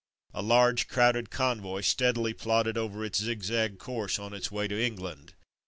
A large, crowded convoy steadily plodded over its zigzag course on its way to England.